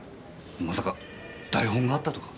まさか台本があったとか？